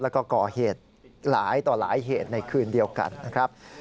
แล้วก็ก่อเหตุหลายต่อหลายเหตุในคืนเดียวกันนะครับ